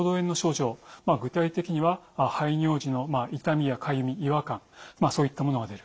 具体的には排尿時の痛みやかゆみ違和感そういったものが出る。